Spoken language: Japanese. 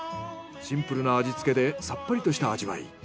シンプルな味付けでさっぱりとした味わい。